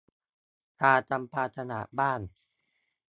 การทำความสะอาดบ้าน